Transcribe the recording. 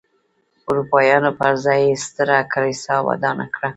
اروپایانو پر ځای یې ستره کلیسا ودانه کړه.